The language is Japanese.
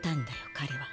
彼は。